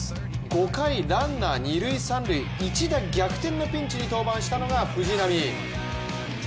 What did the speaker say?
５回ランナー、二・三塁一打逆転のピンチに登板したのが藤浪。